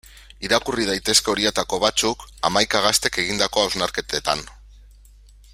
Irakurri daitezke horietako batzuk, hamaika gaztek egindako hausnarketetan.